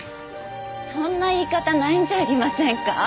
そんな言い方ないんじゃありませんか？